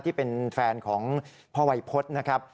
ที่เป็นแฟนของพ่อวัยพฤษนะครับ